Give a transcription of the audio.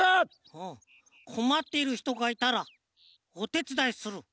うんこまっているひとがいたらおてつだいするはい！